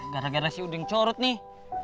gara gara sih uding corot nih